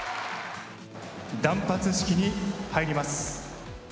断髪式に入ります。